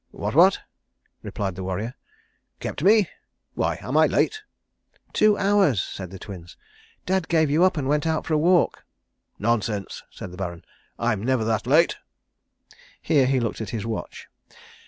"What what?" replied the warrior. "Kept me? Why, am I late?" "Two hours," said the Twins. "Dad gave you up and went out for a walk." "Nonsense," said the Baron. "I'm never that late." Here he looked at his watch.